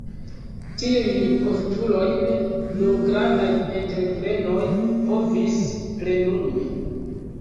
Tiujn postulojn nur grandaj entreprenoj povis plenumi.